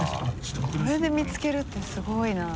これで見つけるってすごいな。